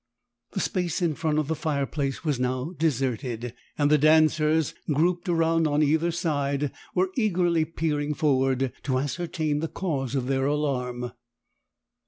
The space in front of the fireplace was now deserted, and the dancers, grouped around on either side, were eagerly peering forward to ascertain the cause of their alarm.